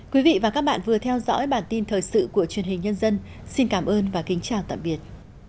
quý vị và các bạn vừa theo dõi bản tin thời sự của truyền hình nhân dân xin cảm ơn và kính chào tạm biệt